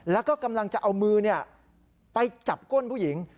แล้วก็กำลังจะเอามือไปจับก้นผู้หญิง